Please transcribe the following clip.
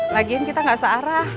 lagian kita gak searah